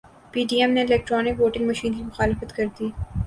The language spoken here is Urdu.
پی ڈی ایم نے الیکٹرانک ووٹنگ مشین کی مخالفت کردی